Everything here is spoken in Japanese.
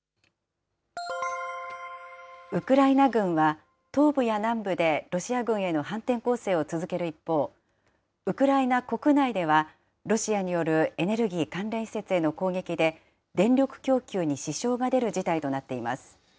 ウクライナ軍は、東部や南部でロシア軍への反転攻勢を続ける一方、ウクライナ国内では、ロシアによるエネルギー関連施設への攻撃で、電力供給に支障が出る事態となっています。